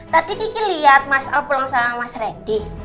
tadi kiki lihat mas al pulang sama mas reddy